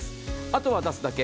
あとは出すだけ。